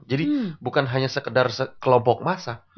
jadi bukan hanya sekedar kelompok massa